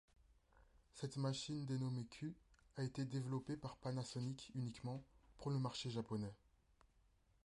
Cette machine, dénommée Q, a été développée par Panasonic uniquement pour le marché japonais.